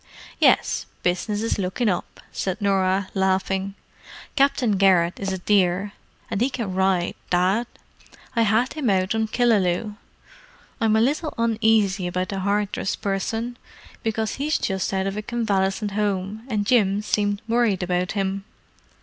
"Yes, business is looking up," said Norah, laughing. "Captain Garrett is a dear—and he can ride, Dad. I had him out on Killaloe. I'm a little uneasy about the Hardress person, because he's just out of a convalescent home, and Jim seemed worried about him.